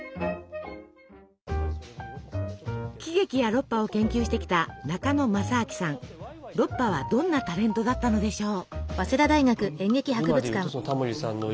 喜劇やロッパを研究してきたロッパはどんなタレントだったのでしょう？